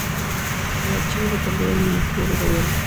El Archivo dependía del Ministerio de Gobierno.